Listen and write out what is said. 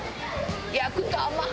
焼くと甘い！